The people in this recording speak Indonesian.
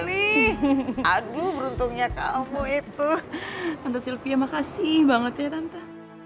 itu makasih banget ya tante